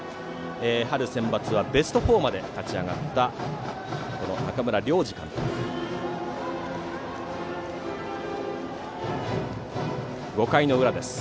春センバツはベスト４まで勝ち上がった中村良二監督です。